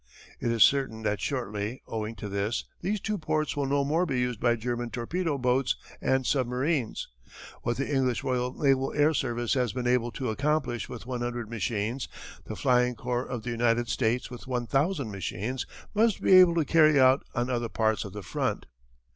"It is certain that shortly, owing to this, these two ports will no more be used by German torpedo boats and submarines. What the English Royal Naval Air Service has been able to accomplish with 100 machines the Flying Corps of the United States with 1000 machines must be able to carry out on other parts of the front.